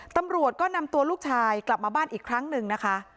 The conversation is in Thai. ตำรวจก็นำตัวลูกชายกลับมาบ้านอีกครั้งหนึ่งนะคะ